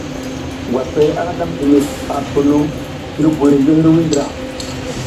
Ngwasay ara slam dimis ar hunum ngi buy ngi hirwuiy ndra.